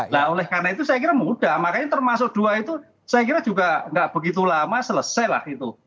nah oleh karena itu saya kira mudah makanya termasuk dua itu saya kira juga nggak begitu lama selesai lah itu